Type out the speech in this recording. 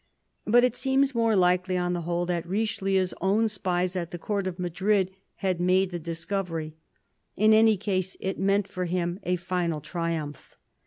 But it seems more likely, on the whole, that Richelieu's own spies at the Court of Madrid had made the discovery. In any case it meant for him a final triumph.